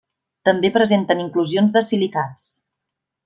També presenten inclusions de silicats.